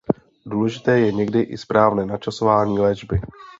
Důležité je někdy i správné načasování léčby.